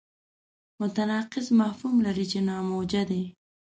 متناقض مفهوم لري چې ناموجه دی.